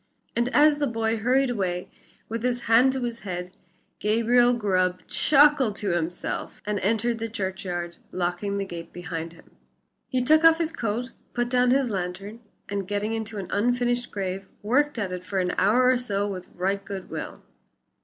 And as the boy hurried away, with his hand to his head, Gabriel Grubb chuckled to himself and entered the churchyard, locking the gate behind him. He took off his coat, put down his lantern, and getting into an unfinished grave, worked at it for an hour or so with right good will.